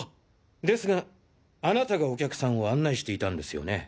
ですがあなたがお客さんを案内していたんですよね？